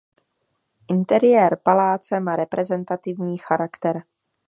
Interiér paláce má reprezentativní charakter.